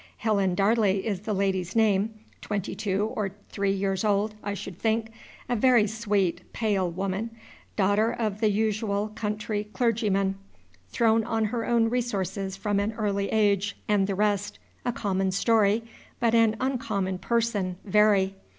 Helen Darley is this lady's name, twenty two or three years old, I should think, a very sweet, pale woman, daughter of the usual country clergyman, thrown on her own resources from an early age, and the rest: a common story, but an uncommon person, very.